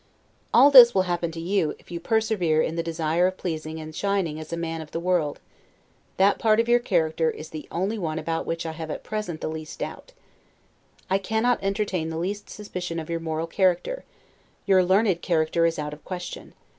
All this will happen to you, if you persevere in the desire of pleasing and shining as a man of the world; that part of your character is the only one about which I have at present the least doubt. I cannot entertain the least suspicion of your moral character; your learned character is out of question.